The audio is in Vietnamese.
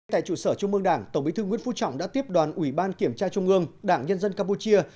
tại trụ sở trung mương đảng tổng bí thư nguyễn phú trọng đã tiếp đoàn ủy ban kiểm tra trung ương đảng nhân dân campuchia